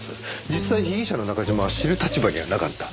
実際被疑者の中嶋は知る立場にはなかった。